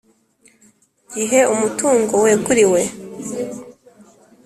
gihe umutungo weguriwe